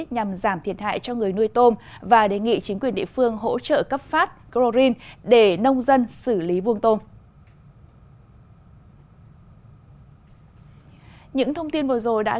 nhằm giảm thiệt hại cho người nuôi tôm và đề nghị chính quyền địa phương hỗ trợ cấp phát chroin để nông dân xử lý vuông tôm